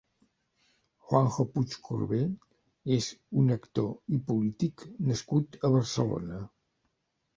Juanjo Puigcorbé és un actor i polític nascut a Barcelona.